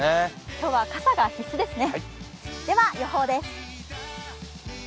今日は傘が必須ですね。